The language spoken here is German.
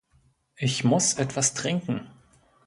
Ich muss etwas trinken.